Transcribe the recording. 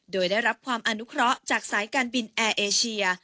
โดยได้รับความอนุเคราะห์จากสายการบินแอร์เอเชีย